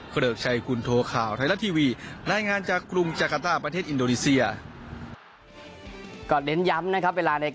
เผลอชัยคุณโทษข่าวไทยรัฐทีวี